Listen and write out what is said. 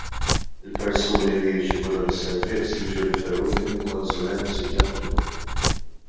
Il-persuni li jirċievu dan is-servizz jiġu riferuti min konsulent psikjatriku.